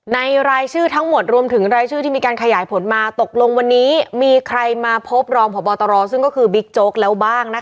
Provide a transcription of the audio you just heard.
รายชื่อทั้งหมดรวมถึงรายชื่อที่มีการขยายผลมาตกลงวันนี้มีใครมาพบรองพบตรซึ่งก็คือบิ๊กโจ๊กแล้วบ้างนะคะ